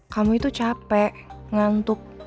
kamu itu capek ngantuk